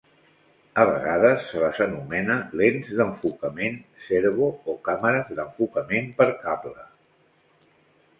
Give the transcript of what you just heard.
A vegades se les anomena lents d'enfocament "servo" o càmeres d'"enfocament per cable".